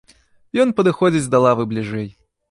Ён падыходзіць да лавы бліжэй.